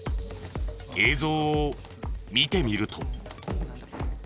映像を見てみると。